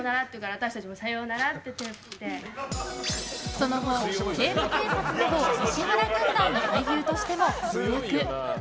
その後、「西部警察」など石原軍団の俳優としても活躍。